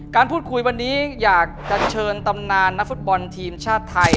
การพูดคุยวันนี้อยากจะเชิญตำนานนักฟุตบอลทีมชาติไทย